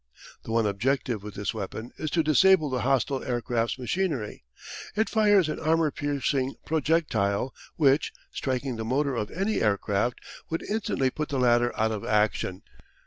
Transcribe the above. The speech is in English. The one objective with this weapon is to disable the hostile aircraft's machinery. It fires an armour piercing projectile which, striking the motor of any aircraft, would instantly put the latter out of action.